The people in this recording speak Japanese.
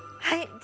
はい！